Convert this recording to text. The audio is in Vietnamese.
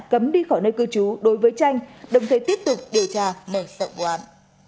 cấm đi khỏi nơi cư trú đối với tranh đồng thời tiếp tục điều tra mở sạc quán